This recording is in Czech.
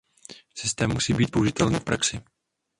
Systém musí být použitelný v praxi.